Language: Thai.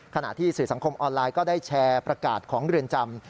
ขณะที่สื่อสังคมออนไลน์ก็ได้แชร์ประกาศของเรือนจำ